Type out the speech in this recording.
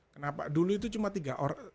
kenapa dulu itu cuma tiga orang